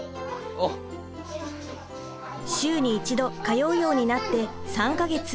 週に一度通うようになって３か月。